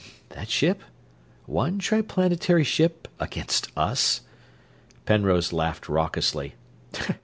"That ship? One Triplanetary ship against us?" Penrose laughed raucously.